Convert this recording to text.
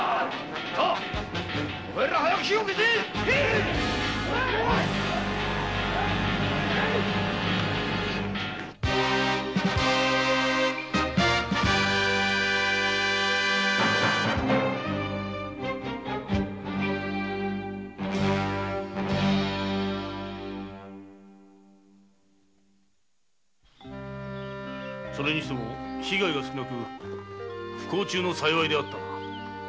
お前ら早く火を消せそれにしても被害が少なく不幸中の幸いであったな。